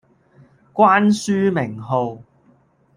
關書名號